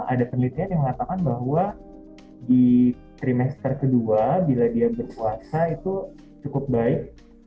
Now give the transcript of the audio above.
ada penelitian yang mengatakan bahwa di trimester kedua bila dia berpuasa itu cukup baik